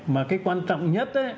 mà cái quan trọng nhất